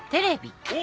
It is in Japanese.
お！